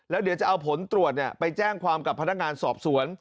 แล้วเดี๋ยวจะเอาผลตรวจไปแจ้งความกับพนักงานสอบสวน